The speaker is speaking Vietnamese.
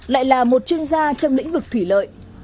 lại là một chuyên gia trong lĩnh vực thủy lợi